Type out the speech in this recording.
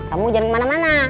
kamu jangan kemana mana